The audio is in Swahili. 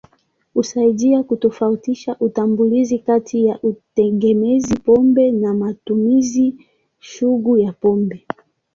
Husaidia kutofautisha utambuzi kati ya utegemezi pombe na matumizi sugu ya pombe.